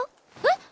えっ！